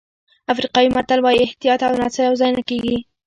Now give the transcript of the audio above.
افریقایي متل وایي احتیاط او نڅا یوځای نه کېږي.